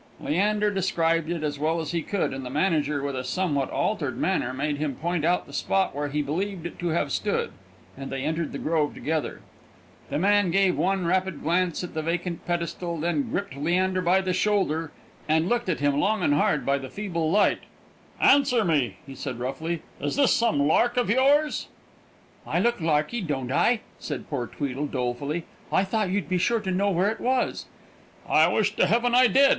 Leander described it as well as he could, and the manager, with a somewhat altered manner, made him point out the spot where he believed it to have stood, and they entered the grove together. The man gave one rapid glance at the vacant pedestal, and then gripped Leander by the shoulder, and looked at him long and hard by the feeble light. "Answer me," he said, roughly; "is this some lark of yours?" [Illustration: "ANSWER ME," HE SAID ROUGHLY; "IS THIS SOME LARK OF YOURS?"] "I look larky, don't I?" said poor Tweedle, dolefully. "I thought you'd be sure to know where it was." "I wish to heaven I did!"